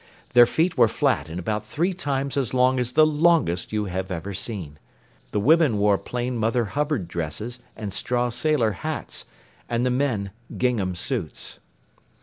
Their feet were flat and about three times as long as the longest you have ever seen. The women wore plain Mother Hubbard dresses and straw sailor hats, and the men gingham suits.